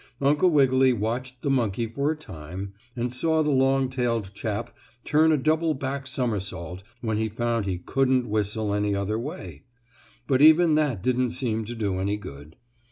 Uncle Wiggily watched the monkey for a time, and saw the long tailed chap turn a double back somersault when he found he couldn't whistle any other way. But even that didn't seem to do any good.